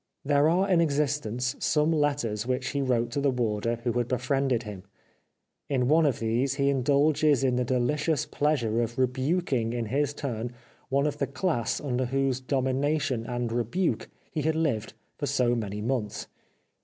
There are in existence some letters which he wrote to the warder who had befriended him. In one of these he indulges in the delicious pleasure of rebuking in his turn one of the class under whose domination and rebuke he had lived for so many months.